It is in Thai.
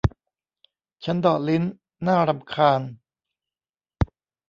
ฉันเดาะลิ้น น่ารำคาญ